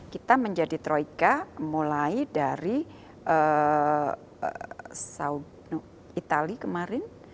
kita menjadi troika mulai dari itali kemarin